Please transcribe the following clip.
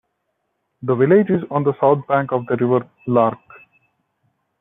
The village is on the south bank of the River Lark.